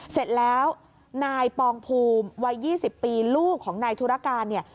เสร็จแล้วนายปองภูมิวัย๒๐ปีลูกของนายธุรการเนี่ย